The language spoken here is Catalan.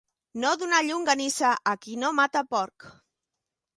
No donar llonganissa a qui no mata porc.